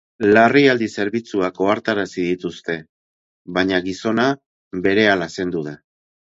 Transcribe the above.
Larrialdi zerbitzuak ohartarazi dituzte, baina gizona berehala zendu da.